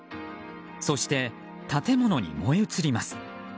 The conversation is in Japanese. そして建物に燃え移ります。